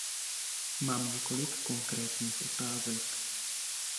Mám několik konkrétních otázek.